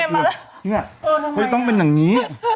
นี่ไงมาแล้วนี่ไงเขาจะต้องเป็นอย่างงี้